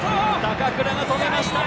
高倉が止めました